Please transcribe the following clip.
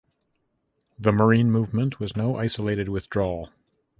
The Marine movement was no isolated withdrawal.